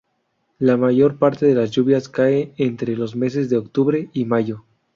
La mayor parte de las lluvias cae entre los meses de Octubre y Mayo.